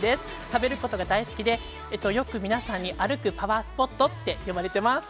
食べることが大好きでよく皆さんに歩くパワースポットって呼ばれています。